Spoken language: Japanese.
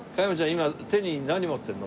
今手に何持ってるの？